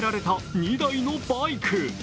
２台のバイク。